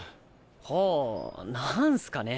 はあなんすかね？